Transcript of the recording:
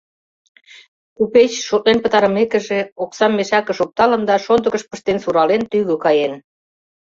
Купеч, шотлен пытарымекыже, оксам мешакыш опталын да, шондыкыш пыштен сурален, тӱгӧ каен.